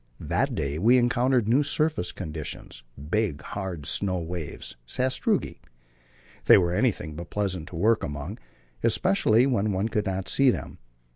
That day we encountered new surface conditions big, hard snow waves (sastrugi). These were anything but pleasant to work among, especially when one could not see them.